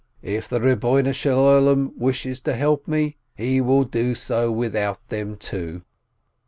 If the Lord of the Universe wishes to help me, he will do so without them too.